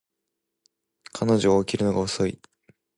彼女は起きるのが遅い